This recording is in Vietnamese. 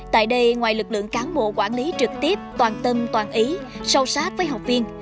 tại đây ngoài lực lượng cán bộ quản lý trực tiếp toàn tâm toàn ý sâu sát với học viên